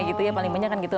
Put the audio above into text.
paling pentingnya kan gitu